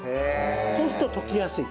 そうすると溶けやすい。